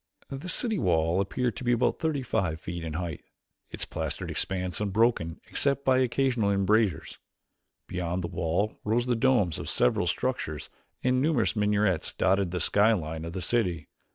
The city wall appeared to be about thirty feet in height, its plastered expanse unbroken except by occasional embrasures. Beyond the wall rose the domes of several structures and numerous minarets dotted the sky line of the city.